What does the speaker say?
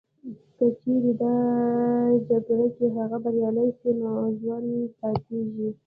که چیري په دا جګړه کي هغه بریالي سي نو ژوندي پاتیږي